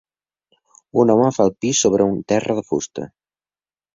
Un home fa el pi sobre un terra de fusta.